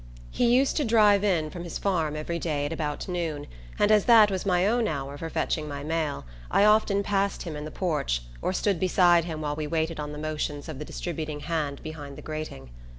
He used to drive in from his farm every day at about noon, and as that was my own hour for fetching my mail I often passed him in the porch or stood beside him while we waited on the motions of the distributing hand behind the grating.